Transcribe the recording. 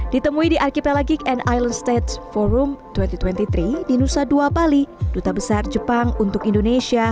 ditemui di archipelagic and island states forum dua ribu dua puluh tiga di nusa dua bali duta besar jepang untuk indonesia